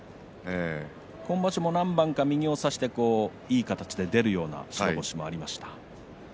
今場所も何番か右を差していい形で出るような時もありました。